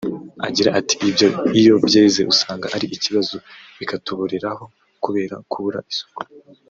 Agira ati “Ibyo iyo byeze usanga ari ikibazo bikatuboreraho kubera kubura isoko